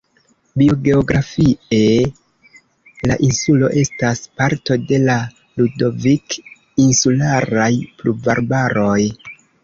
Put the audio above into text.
Biogeografie la insulo estas parto de la Ludovik-insularaj pluvarbaroj.